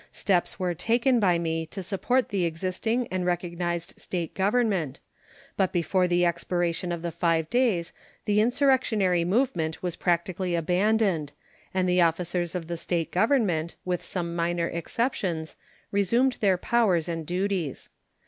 Steps were taken by me to support the existing and recognized State government, but before the expiration of the five days the insurrectionary movement was practically abandoned, and the officers of the State government, with some minor exceptions, resumed their powers and duties.